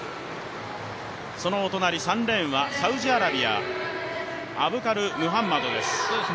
そのお隣、３レーンはサウジアラビア、アブカル・ムハンマドです。